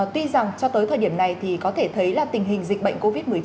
tuy rằng cho tới thời điểm này thì có thể thấy là tình hình dịch bệnh covid một mươi chín